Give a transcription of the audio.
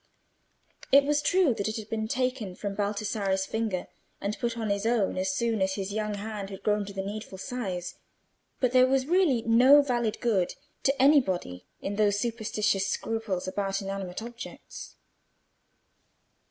It was true that it had been taken from Baldassarre's finger and put on his own as soon as his young hand had grown to the needful size; but there was really no valid good to anybody in those superstitious scruples about inanimate objects.